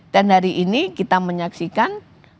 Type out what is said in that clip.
dan hari ini kita menyaksikan